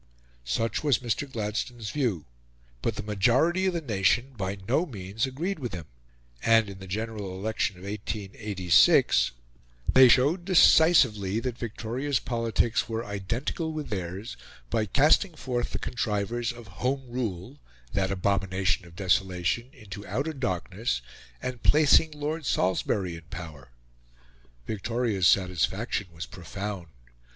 Such was Mr. Gladstone's view,; but the majority of the nation by no means agreed with him; and, in the General Election of 1886, they showed decisively that Victoria's politics were identical with theirs by casting forth the contrivers of Home Rule that abomination of desolation into outer darkness, and placing Lord Salisbury in power. Victoria's satisfaction was profound.